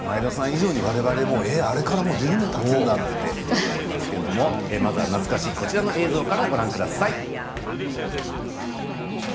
以上に我々ももうあれから１０年たつんだなと思いますけれども懐かしいこちらの映像からご覧ください。